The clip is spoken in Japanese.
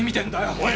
おい！